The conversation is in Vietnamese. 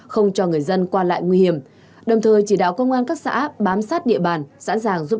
không cho người dân qua lại nguy hiểm đồng thời chỉ đạo công an các xã bám sát địa bàn sẵn sàng giúp